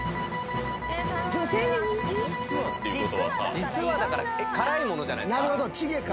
実はだから辛い物じゃないですか？